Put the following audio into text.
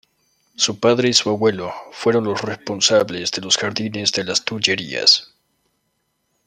Su padre y su abuelo fueron los responsables de los jardines de las Tullerías.